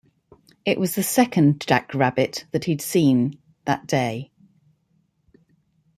It was the second jack rabbit that he had seen day.